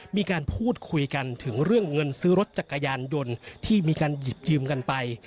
มีการพูดคุยกันถึงเรื่องเงินซื้อรถจักรยานยนต์ที่มีการหยิบยืมกันไป